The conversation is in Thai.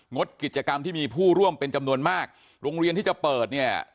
ดกิจกรรมที่มีผู้ร่วมเป็นจำนวนมากโรงเรียนที่จะเปิดเนี่ย